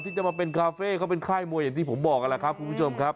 ถูกแม่ระบายมวยอย่างที่ผมบอกแหละครับคุณผู้ชมครับ